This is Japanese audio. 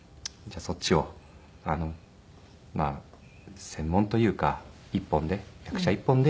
そっちを専門というか一本で役者一本で。